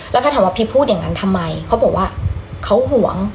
แล้วแพทย์ถามว่าพีชพูดอย่างนั้นทำไมเขาบอกว่าเขาห่วง